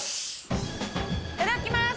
いただきます！